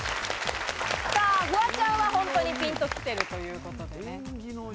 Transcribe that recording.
フワちゃんは本当にピンと来てるということで。